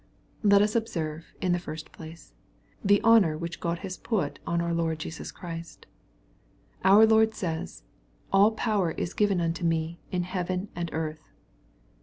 Let us observe, in the first place, the honor which God has put on our Lord Jesus Christ. Our Lord says, " all power is given unto me, in heaven and earth.''